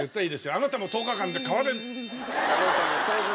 「あなたも１０日間で変われる」。